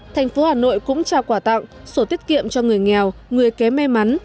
thành phố hà nội cũng trao quà tặng sổ tiết kiệm cho người nghèo người kém may mắn